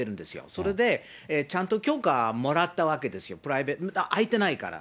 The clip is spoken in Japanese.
それで、ちゃんと許可もらったわけですよ、開いてないから。